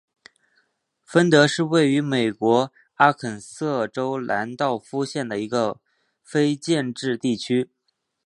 芬德是位于美国阿肯色州兰道夫县的一个非建制地区。